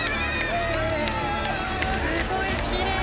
すごいきれい。